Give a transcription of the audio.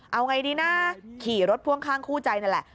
เอาไงดีนะขี่รถพ่วงข้างคู่ใจนั่นแหละ